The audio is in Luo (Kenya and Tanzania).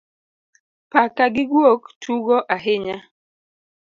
Paka gi gwok tugo ahinya